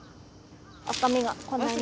赤みがこんなに。